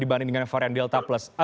dibanding dengan varian delta plus